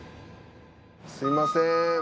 すみません。